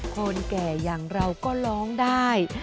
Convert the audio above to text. คนแก่อย่างเราก็ร้องได้